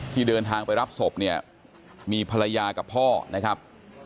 ที่เดินทางไปรับศพเนี่ยมีภรรยากับพ่อนะครับ